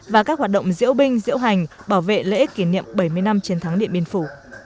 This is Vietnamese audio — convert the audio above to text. và các hoạt động diễu binh diễu hành bảo vệ lễ kỷ niệm bảy mươi năm chiến thắng điện biên phủ